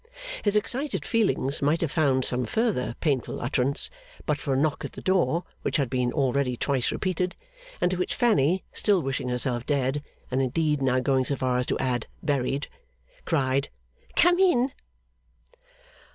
His excited feelings might have found some further painful utterance, but for a knock at the door, which had been already twice repeated, and to which Fanny (still wishing herself dead, and indeed now going so far as to add, buried) cried 'Come in!